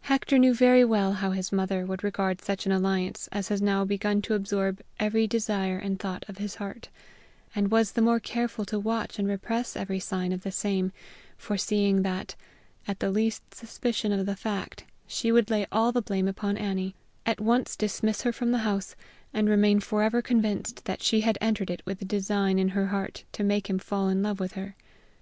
Hector knew very well how his mother would regard such an alliance as had now begun to absorb every desire and thought of his heart, and was the more careful to watch and repress every sign of the same, foreseeing that, at the least suspicion of the fact, she would lay all the blame upon Annie, at once dismiss her from the house, and remain forever convinced that she had entered it with the design in her heart to make him fall in love with her.